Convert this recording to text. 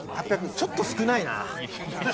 ちょっと少ないなぁ。